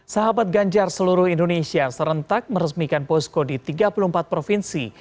sahabat ganjar seluruh indonesia serentak meresmikan posko di tiga puluh empat provinsi